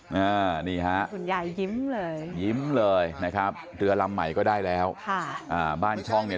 คุณยายยิ้มเลยยิ้มเลยนะครับเดือลำใหม่ก็ได้แล้วบ้านช่องเนี่ย